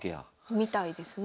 みたいですね。